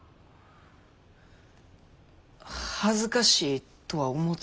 恥ずかしいとは思うてるよ。